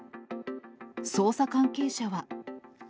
捜査関係者は。